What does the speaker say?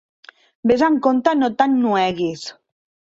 Ves amb compte no t'ennueguis.